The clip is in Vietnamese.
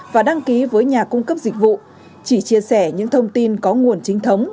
và đăng ký với nhà cung cấp dịch vụ chỉ chia sẻ những thông tin có nguồn chính thống